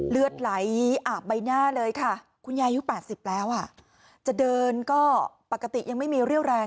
เลือดไหลอาบใบหน้าเลยค่ะคุณยายุค๘๐แล้วจะเดินก็ปกติยังไม่มีเรี่ยวแรง